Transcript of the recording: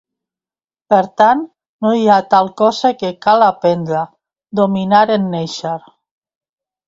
Per tant, no hi ha tal cosa que cal aprendre, dominar en néixer.